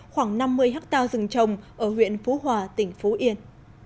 khoảng năm mươi hectare rừng trồng ở huyện phú hòa tỉnh phú yên